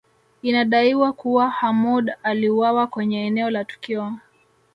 Inadaiwa kuwa Hamoud aliuawa kwenye eneo la tukio